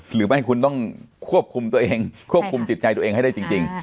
หรือไม่คุณต้องควบคุมตัวเองควบคุมจิตใจตัวเองให้ได้จริง